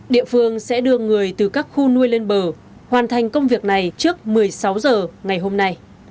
địa phương sẽ đưa người từ các khu nuôi lên bờ hoàn thành công việc này trước một mươi sáu h ngày hôm nay